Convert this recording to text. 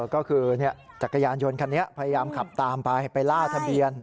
ก็คือจักรยานยนต์คันนี้พยายามขับตามไปไปล่าทะเบียน